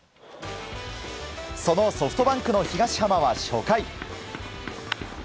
そのソフトバンクの東浜は初回。